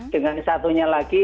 dengan satunya lagi